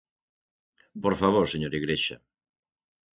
Por favor, señor Igrexa.